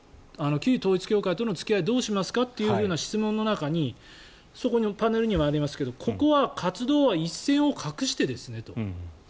旧統一教会との付き合いどうしますかという質問の中にパネルにもありますが、ここは活動は一線を画してですと。